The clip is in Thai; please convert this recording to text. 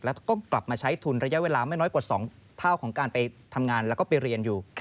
แล้วก็กลับมาใช้ทุนระยะเวลาไม่น้อยกว่า๒เท่าของการไปทำงานแล้วก็ไปเรียนอยู่